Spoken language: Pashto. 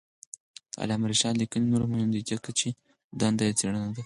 د علامه رشاد لیکنی هنر مهم دی ځکه چې دنده یې څېړنه ده.